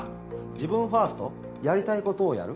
自分ファースト？やりたいことをやる？